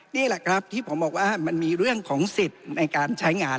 นี่แหละครับที่ผมบอกว่ามันมีเรื่องของสิทธิ์ในการใช้งาน